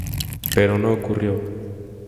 Pero no ocurrió.